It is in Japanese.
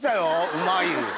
「うまい！」。